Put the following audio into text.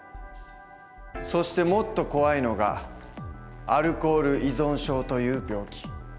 そしてもっと怖いのがアルコール依存症という病気。